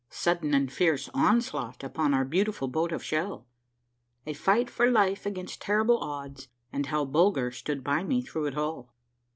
— SUDDEN AND FIERCE ONSLAUGHT UPON OUR BEAUTIFUL BOAT OF SHELL. — A FIGHT FOR LIFE AGAINST TERRIBLE ODDS, AND HOW BULGER STOOD BY ME THROUGH IT ALL.